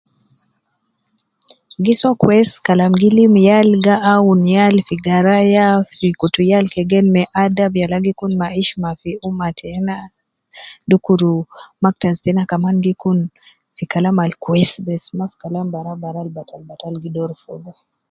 Giso kwesi kalam gi lim yal gi awun yal fi garaya, fi kutu yal ke gen me adab, yala gi kun ma ishma fi umma tena, dukuru, maktaz tena kaman gi kun fi kalam al kwesi bes, maf kalam barau barau ab batal batal gi doru fogo